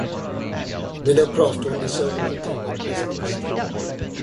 Meadowcroft only served one term at Westminster.